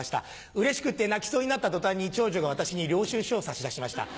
うれしくて泣きそうになった途端に長女が私に領収書を差し出しました。